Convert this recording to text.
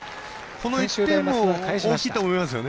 この１点も大きいと思いますね。